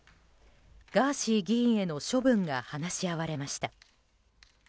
ガーシー議員への処分が話し合われました。